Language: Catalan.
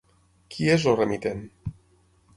Qui és el remitent?